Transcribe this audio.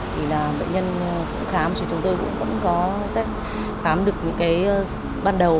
thì là bệ nhân cũng khám chúng tôi cũng có khám được những cái ban đầu